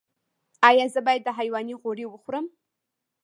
ایا زه باید د حیواني غوړي وخورم؟